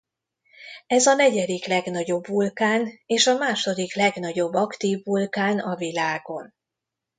Ez a negyedik legnagyobb vulkán és a második legnagyobb aktív vulkán a világon.